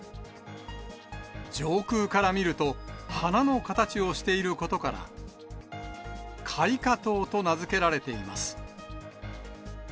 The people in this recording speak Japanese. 上空から見ると、花の形をしていることから、海花島と名付けられています。